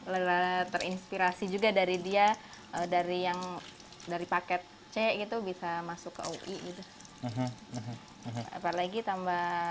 lelah terinspirasi juga dari dia dari yang dari paket c gitu bisa masuk ke ui itu apalagi tambah